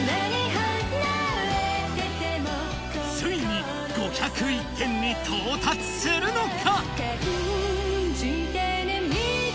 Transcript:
ついに５０１点に到達するのか。